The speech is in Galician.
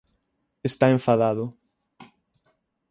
Está enfadado